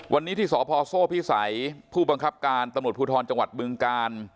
วันนี้ที่สพโซ่พิสัยผู้บังคับการตำรวจภูทรจังหวัดบึงกาล